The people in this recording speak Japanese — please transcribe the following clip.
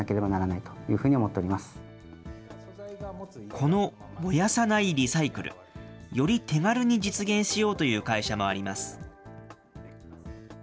この燃やさないリサイクル、より手軽に実現しようという会社もあります。